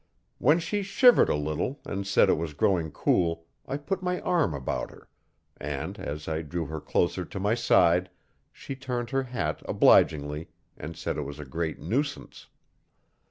When she shivered a little and said it was growing cool I put my arm about her, and, as I drew her closer to my side, she turned her hat, obligingly, and said it was a great nuisance.